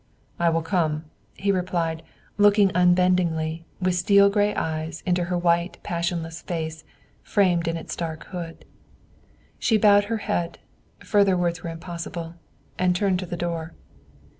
"I will come," he replied, looking unbendingly, with steely gray eyes, into her white passionless face, framed in its dark hood. She bowed her head further words were impossible and turned to the door.